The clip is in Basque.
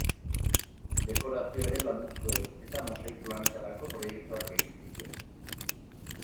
Dekorazioa ere landu zuen, eta mosaiko lanetarako proiektuak egin zituen.